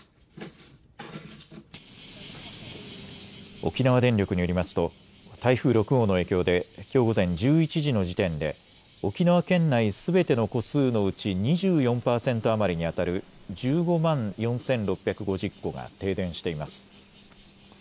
沖縄電力によりますと台風６号の影響できょう午前１１時の時点で沖縄県内すべての戸数のうち２４％余りにあたる１５万４６５０戸が停電しています。